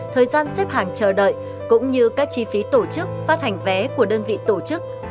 thời gian xếp hàng chờ đợi cũng như các chi phí tổ chức phát hành vé của đơn vị tổ chức